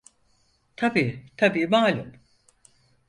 Tabii, tabii, malum...